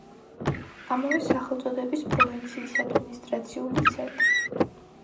ამავე სახელწოდების პროვინციის ადმინისტრაციული ცენტრი.